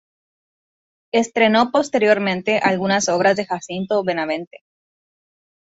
Estrenó, posteriormente, algunas obras de Jacinto Benavente.